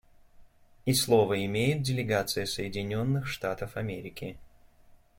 И слово имеет делегация Соединенных Штатов Америки.